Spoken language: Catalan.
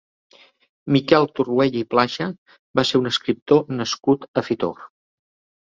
Miquel Torroella i Plaja va ser un escriptor nascut a Fitor.